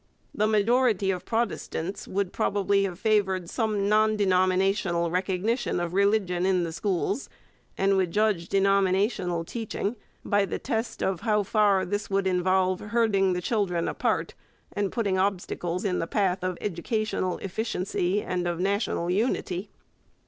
The majority of Protestants would probably have favoured some non denominational recognition of religion in the schools, and would judge denominational teaching by the test of how far this would involve herding the children apart and putting obstacles in the path of educational efficiency and of national unity.